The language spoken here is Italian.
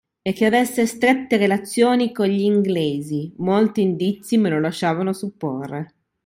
e che avesse strette relazioni con gli inglesi, molti indizi me lo lasciavano supporre.